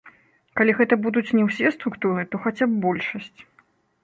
Калі гэта будуць не ўсе структуры, то хаця б большасць.